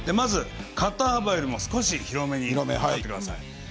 肩幅よりも少し広めに開いてください。